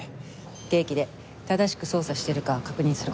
計器で正しく操作してるか確認する事。